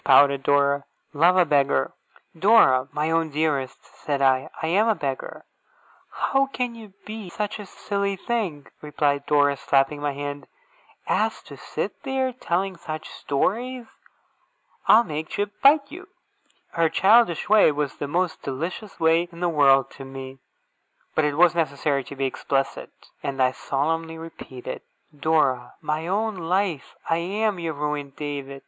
pouted Dora. 'Love a beggar!' 'Dora, my own dearest!' said I. 'I am a beggar!' 'How can you be such a silly thing,' replied Dora, slapping my hand, 'as to sit there, telling such stories? I'll make Jip bite you!' Her childish way was the most delicious way in the world to me, but it was necessary to be explicit, and I solemnly repeated: 'Dora, my own life, I am your ruined David!